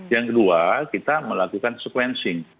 yang kedua kita melakukan sequencing